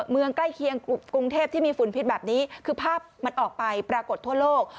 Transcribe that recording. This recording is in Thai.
เมืองใกล้เคียงกรุงเทพที่มีฝุ่นพิษแบบนี้คือภาพมันออกไปปรากฏทั่วโลก